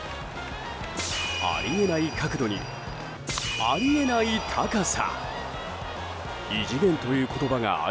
あり得ない角度にあり得ない高さ！